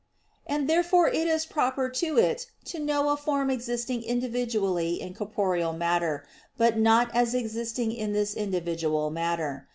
And therefore it is proper to it to know a form existing individually in corporeal matter, but not as existing in this individual matter.